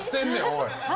おい！